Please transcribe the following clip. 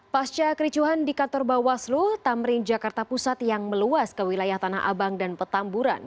pasca kericuhan di kantor bawaslu tamrin jakarta pusat yang meluas ke wilayah tanah abang dan petamburan